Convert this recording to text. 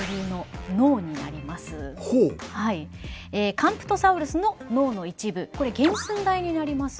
カンプトサウルスの脳の一部これ原寸大になります。